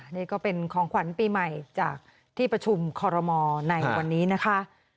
นี่ก็เป็นของขวัญปีใหม่จากที่ประชุมคอรมอลในวันนี้นะคะ